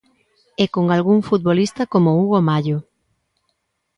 E con algún futbolista como Hugo Mallo.